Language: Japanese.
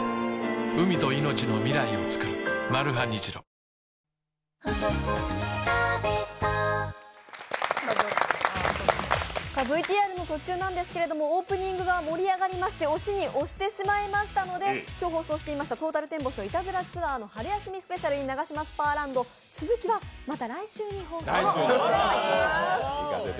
トーンアップ出たＶＴＲの途中なんですけれどもオープニングが盛り上がりまして押しに押してしまいましたので、今日、予定していましたトータルテンボスのいたずらツアー春休みスペシャル、ナガシマスパーランド、続きは、また来週に放送させていただきます。